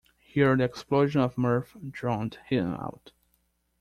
Here the explosion of mirth drowned him out.